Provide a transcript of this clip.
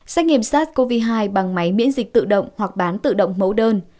xét nghiệm sars cov hai bằng máy miễn dịch tự động hoặc bán tự động mẫu đơn